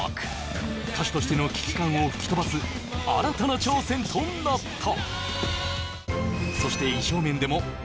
歌手としての危機感を吹き飛ばす新たな挑戦となった。